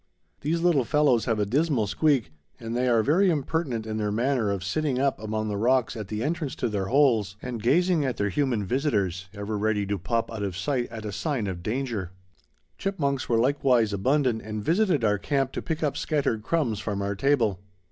These little fellows have a dismal squeak, and they are very impertinent in their manner of sitting up among the rocks at the entrance to their holes, and gazing at their human visitors, ever ready to pop out of sight at a sign of danger. Chipmunks were likewise abundant and visited our camp to pick up scattered crumbs from our table.